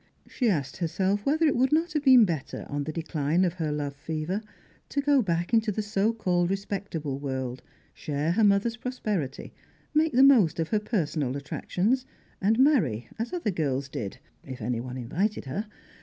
She asked herself whether it would not have been better, on the decline of her love fever, to go back into the so called respectable world, share her mother's prosperity, make the most of her personal attractions, and marry as other girls did if anyone invited her.